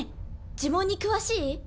呪文に詳しい？